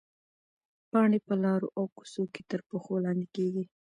پاڼې په لارو او کوڅو کې تر پښو لاندې کېږي.